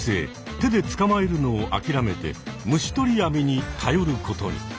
手でつかまえるのをあきらめて虫とり網にたよる事に。